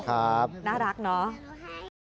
ครับน่ารักเนาะ